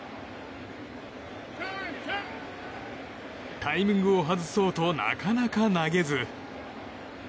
タイミングを外そうとなかなか投げず。